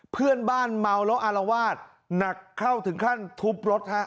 เพื่อนบ้านเมาแล้วอารวาสหนักเข้าถึงขั้นทุบรถฮะ